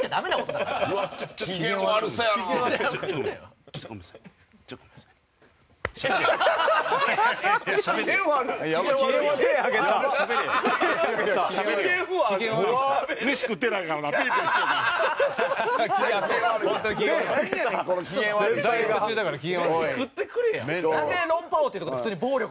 なんで『論破王』ってとこで普通に暴力が行われてる。